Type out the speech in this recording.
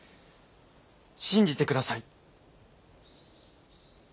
信じてください。